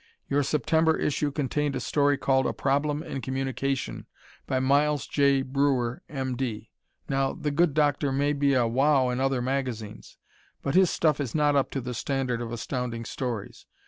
Your September issue contained a story called "A Problem in Communication" by Miles J. Breuer, M.D. Now, the good doctor may be a "wow" in other magazines, but his stuff is not up to the standard of Astounding Stories.